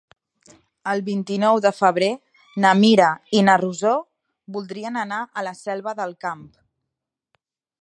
El vint-i-nou de febrer na Mira i na Rosó voldrien anar a la Selva del Camp.